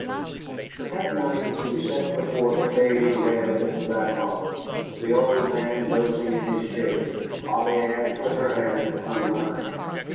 But that night, as we sat before the fading red of the backlog, the old man dozing in his chair, Polly Ann put her hand on mine.